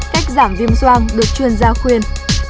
cách giảm viêm soan được chuyên gia khuyên